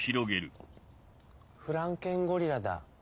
クッフランケンゴリラ！